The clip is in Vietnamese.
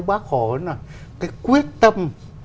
bác hồ nói là cái quyết tâm